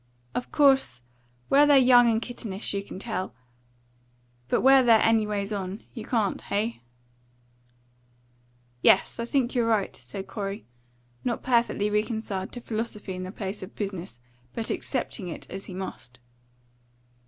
Of course, where they're young and kittenish, you can tell; but where they're anyways on, you can't. Heigh?" "Yes, I think you're right," said Corey, not perfectly reconciled to philosophy in the place of business, but accepting it as he must.